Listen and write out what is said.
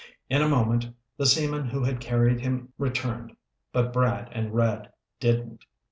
In a moment the seamen who had carried him returned, but Brad and Red didn't.